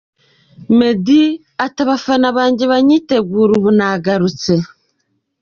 Meddy ati: “Abafana banjye banyitegure ubu nagarutse.